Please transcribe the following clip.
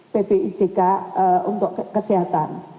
pbijk untuk kesehatan